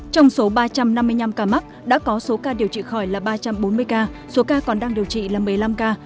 trong số ba trăm năm mươi năm ca mắc đã có số ca điều trị khỏi là ba trăm bốn mươi ca số ca còn đang điều trị là một mươi năm ca